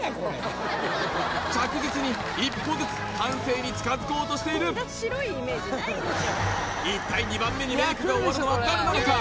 着実に一歩ずつ完成に近づこうとしている一体２番目にメイクが終わるのは誰なのか？